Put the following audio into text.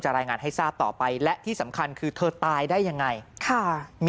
หลังจากพบศพผู้หญิงปริศนาตายตรงนี้ครับ